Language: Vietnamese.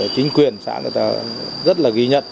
chính quyền xã người ta rất là ghi nhận